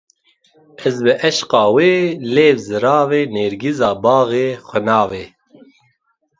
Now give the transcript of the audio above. Ez bi eşqa wê lêv ziravê nêrgiza baxê xwinavê